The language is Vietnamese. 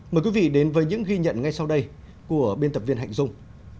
mời quý vị đến với những ghi nhận ngay sau đây của biên tập viên hạnh dung